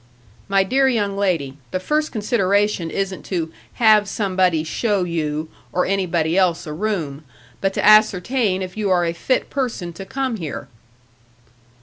"My dear young lady, the first consideration isn't to 'have somebody show you' or anybody else a room, but to ascertain if you are a fit person to come here."